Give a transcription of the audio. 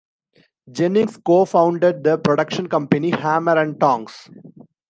Jennings co-founded the production company Hammer and Tongs.